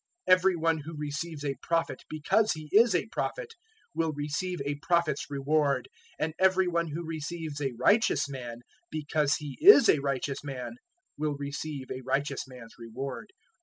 010:041 Every one who receives a prophet, because he is a prophet, will receive a prophet's reward, and every one who receives a righteous man, because he is a righteous man, will receive a righteous man's reward.